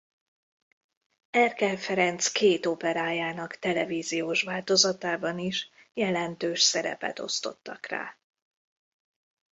Erkel Ferenc két operájának televíziós változatában is jelentős szerepet osztottak rá.